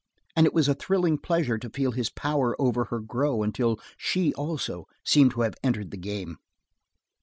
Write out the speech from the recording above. And it was a thrilling pleasure to feel his power over her grow until she, also, seemed to have entered the game.